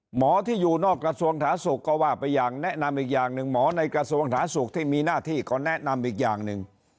หมอที่อยู่นอกกระทรวงถาสุขก็ว่าไปอย่างแนะนำอีกอย่างหนึ่งหมอในกระทรวงสาธารณสุขที่มีหน้าที่ก็แนะนำอีกอย่างหนึ่ง